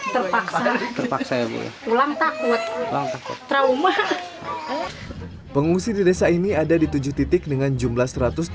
terpaksa terpaksa ulang takut trauma pengungsi di desa ini ada di tujuh titik dengan jumlah satu ratus tiga puluh dua